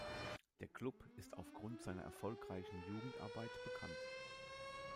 Der Klub ist aufgrund seiner erfolgreichen Jugendarbeit bekannt.